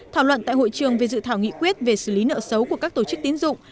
thảo luận tại hội trường về dự thảo nghị quyết về xử lý nợ xấu của các tổ chức tín dụng